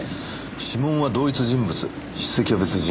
指紋は同一人物筆跡は別人。